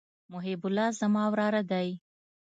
محب الله زما وراره دئ.